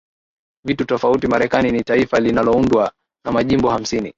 vitu tofauti Marekani ni taifa linaloundwa na majimbo hamsini